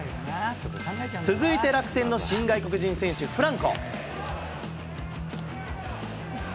続いて楽天の新外国人選手、フランコ。